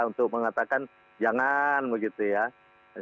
untuk mengatakan jangan begitu ya